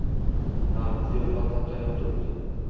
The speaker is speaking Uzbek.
– Ha, ziyofat tap-tayyor turibdi